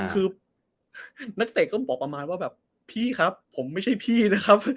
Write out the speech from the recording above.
คือนักเตะก็บอกประมาณว่าแบบพี่ครับผมไม่ใช่พี่นะครับ